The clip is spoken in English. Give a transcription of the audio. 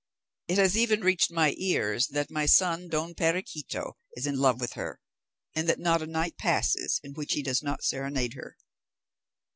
It has even reached my ears that my son Don Perequito is in love with her, and that not a night passes in which he does not serenade her."